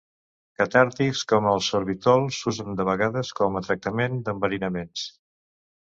Catàrtics com el sorbitol s'usen de vegades com a tractament d'enverinaments.